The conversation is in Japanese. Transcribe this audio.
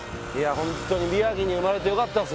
ホントに宮城に生まれてよかったです